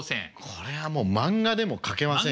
これはもう漫画でも描けませんよ。